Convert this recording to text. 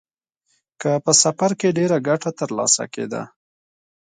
که په سفر کې ډېره ګټه ترلاسه کېده.